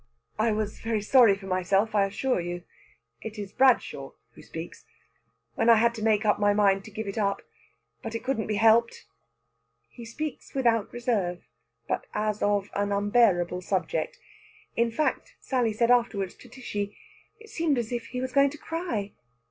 "I was very sorry for myself, I assure you" it is Bradshaw who speaks "when I had to make up my mind to give it up. But it couldn't be helped!" He speaks without reserve, but as of an unbearable subject; in fact, Sally said afterwards to Tishy, "it seemed as if he was going to cry."